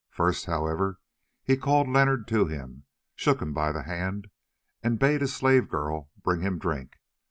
First, however, he called Leonard to him, shook him by the hand, and bade a slave girl bring him drink.